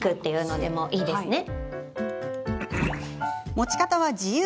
持ち方は自由。